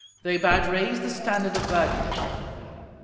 They bade raise the standard of Burgundy.